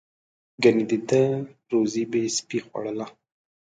ګنې د ده روزي به سپي خوړله.